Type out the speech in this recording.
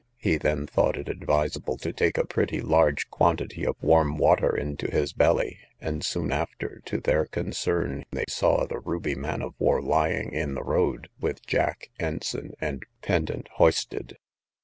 He then thought it advisable to take a pretty large quantity of warm water into his belly, and soon after, to their concern, they saw the Ruby man of war lying in the road, with jack, ensign, and pendant hoisted.